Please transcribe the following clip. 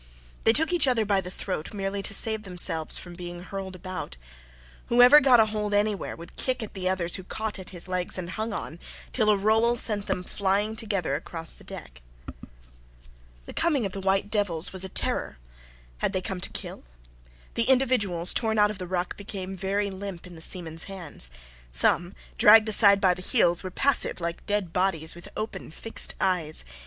They took each other by the throat merely to save themselves from being hurled about. Whoever got a hold anywhere would kick at the others who caught at his legs and hung on, till a roll sent them flying together across the deck. The coming of the white devils was a terror. Had they come to kill? The individuals torn out of the ruck became very limp in the seamen's hands: some, dragged aside by the heels, were passive, like dead bodies, with open, fixed eyes.